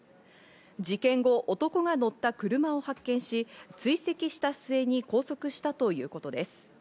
事件後、男が乗った車を発見し、追跡した末に拘束したということです。